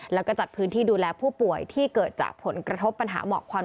แล้วก็จัดพื้นที่ดูแลผู้ป่วยที่เกิดจากผลกระทบปัญหาหมอกควัน